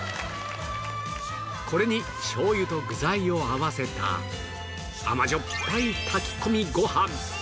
これにしょう油と具材を合わせた甘じょっぱい炊き込みご飯